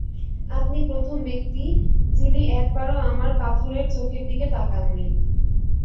আপনি প্রথম ব্যক্তি-যিনি একবারও আমার পাথরের চোখের দিকে তাকান নি।